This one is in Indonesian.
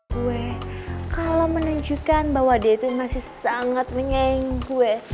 gue kalo menunjukkan bahwa dia tuh masih sangat menyayangi gue